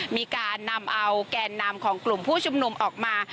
มีการนำเอาแกนนำของกลุ่มผู้ชุมนุมออกมา